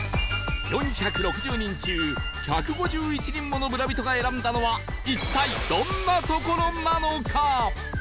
４６０人中１５１人もの村人が選んだのは一体どんな所なのか？